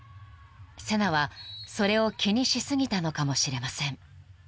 ［セナはそれを気にし過ぎたのかもしれません］